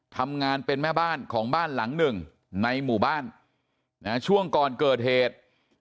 ทำงานเป็นแม่บ้านของบ้านหลังหนึ่งในหมู่บ้านช่วงก่อนเกิดเหตุ